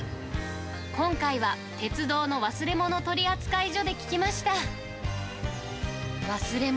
今回は、鉄道の忘れ物取扱所で聞きました。